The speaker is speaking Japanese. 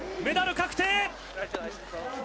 メダル確定！